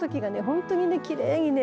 本当にきれいにね